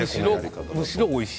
むしろおいしい。